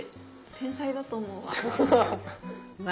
天才だと思うわ。